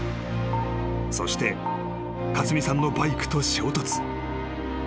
［そして勝美さんのバイクと衝突］